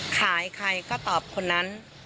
ใครก็ตอบคนนั้น